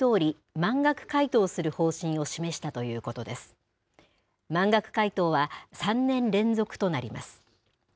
満額回答は３年連続となります。